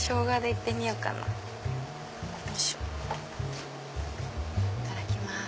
いただきます。